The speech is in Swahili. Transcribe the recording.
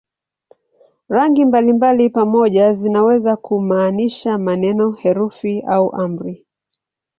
Rangi mbalimbali pamoja zinaweza kumaanisha maneno, herufi au amri.